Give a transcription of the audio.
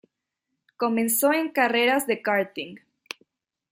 Comenzó en carreras de karting.